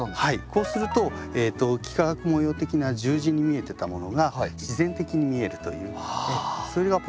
こうすると幾何学模様的な十字に見えてたものが自然的に見えるというそれがポイントですね。